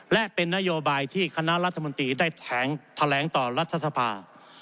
และเป็นนโยบายที่คณะรัฐมนตรีได้แถลงต่อรัฐสภา